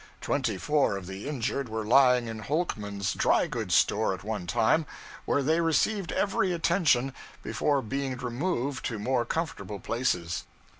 Twenty four of the injured were lying in Holcomb's dry goods store at one time, where they received every attention before being removed to more comfortable places.'